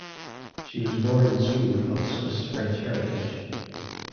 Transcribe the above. She was born in Sweden of Swiss-French heritage.